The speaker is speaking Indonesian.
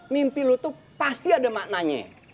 mimpi lu tuh pasti ada maknanya